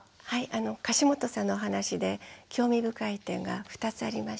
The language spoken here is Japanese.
樫本さんの話で興味深い点が２つありまして。